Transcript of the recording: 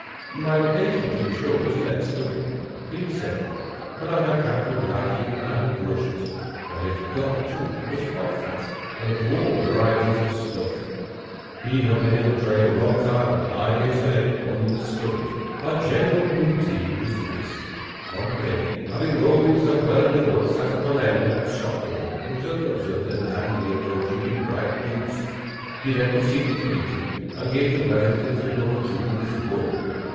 My location, to be sure, was an excellent one, being central, and I had capital blacking and brushes. My little dog, too, was quite fat and up to all varieties of snuff. He had been in the trade a long time, and, I may say, understood it. Our general routine was this:—Pompey, having rolled himself well in the mud, sat upon end at the shop door, until he observed a dandy approaching in bright boots. He then proceeded to meet him, and gave the Wellingtons a rub or two with his wool.